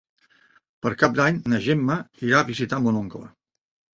Per Cap d'Any na Gemma irà a visitar mon oncle.